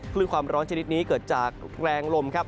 คลื่นความร้อนชนิดนี้เกิดจากแรงลมครับ